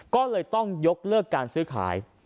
ก็เลยต้องยกเลิกการซื้อขาย